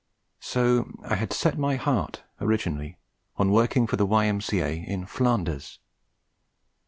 So I had set my heart, originally, on working for the Y.M.C.A. in Flanders.